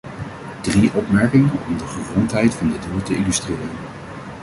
Drie opmerkingen om de gegrondheid van dit doel te illustreren.